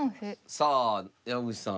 さあ山口さん。